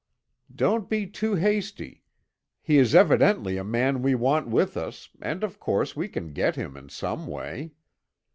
"Don't be too hasty. He is evidently a man we want with us, and of course we can get him in some way.